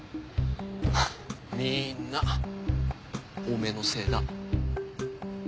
ハァみんなおめえのせいだ。